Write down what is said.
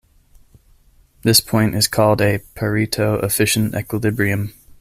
This point is called a Pareto efficient equilibrium.